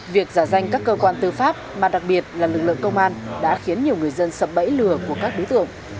việc giả danh các cơ quan tư pháp mà đặc biệt là lực lượng công an đã khiến nhiều người dân sập bẫy lừa của các đối tượng